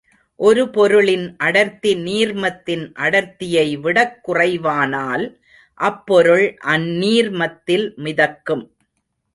ஒரு பொருளின் அடர்த்தி நீர்மத்தின் அடர்த்தியை விடக் குறைவானால், அப்பொருள் அந்நீர்மத்தில் மிதக்கும்.